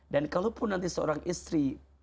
dan kalaupun nanti seorang istri